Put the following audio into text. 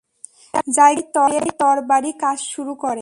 জায়গা পেয়েই তরবারি কাজ শুরু করে।